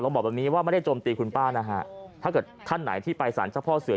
บอกแบบนี้ว่าไม่ได้โจมตีคุณป้านะฮะถ้าเกิดท่านไหนที่ไปสารเจ้าพ่อเสือ